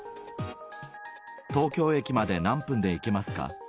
東京駅まで何分で行けますか？